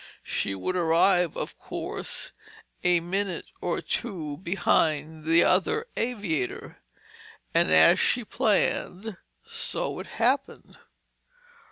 She would arrive, of course, a minute or two behind the other aviator. And as she planned, so it happened.